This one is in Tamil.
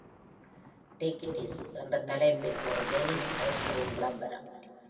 "டேக் இட் இஸ் 'என்ற தலைப்பில் ஒரு டேனிஷ் ஐஸ்கிரீம் விளம்பரம்.